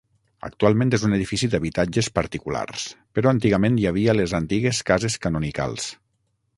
Actualment és un edifici d'habitatges particulars, però antigament hi havia les antigues cases canonicals.